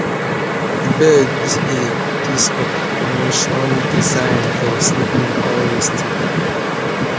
A bed is a piece of furniture designed for sleeping or resting.